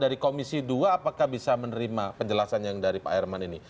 dari komisi dua apakah bisa menerima penjelasan yang dari pak herman ini